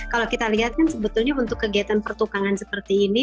kalau kita lihat kan sebetulnya untuk kegiatan pertukangan seperti ini